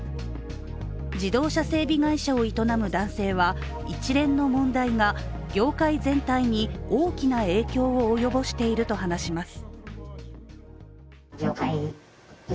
自動車整備会社を営む男性は一連の問題が業界全体に大きな影響を及ぼしていると話します。